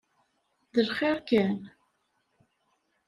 D lxiṛ kan?